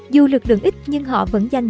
dù lực lượng ít nhưng họ vẫn giành